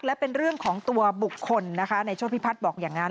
และเป็นเรื่องของตัวบุคคลนะคะในโชธพิพัฒน์บอกอย่างนั้น